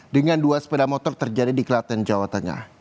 dengan dua sepeda motor terjadi di klaten jawa tengah